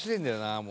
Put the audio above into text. もう。